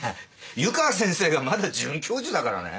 湯川先生がまだ准教授だからね。